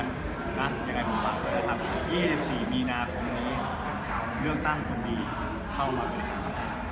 อย่างนั้นผมฝากกันเลยครับ๒๔มีนาคมนี้แข่งข่าวเลือกตั้งคนดีเท่าไหร่ครับ